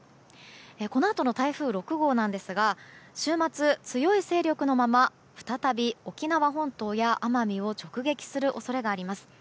このあとの台風６号なんですが週末、強い勢力のまま再び沖縄本島や奄美を直撃する恐れがあります。